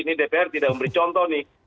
ini dpr tidak memberi contoh nih